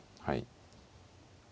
はい。